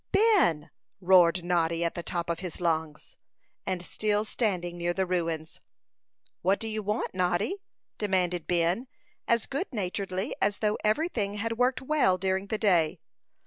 "Ben!" roared Noddy, at the top of his lungs, and still standing near the ruins. "What do you want, Noddy?" demanded Ben, as good naturedly as though everything had worked well during the day.